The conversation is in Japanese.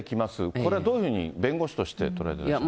これはどういうふうに弁護士として捉えてらっしゃいますか。